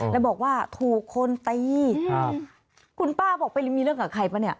แล้วบอกว่าถูกคนตีครับคุณป้าบอกไปมีเรื่องกับใครปะเนี่ย